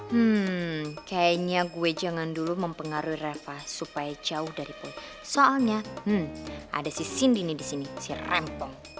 hmm kayaknya gue jangan dulu mempengaruhi reva supaya jauh dari pohon soalnya hmm ada sindi nih di sini si rempong